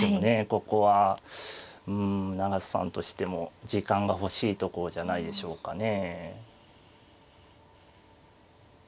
ここはうん永瀬さんとしても時間が欲しいところじゃないでしょうかね。